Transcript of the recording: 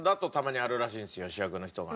主役の人が。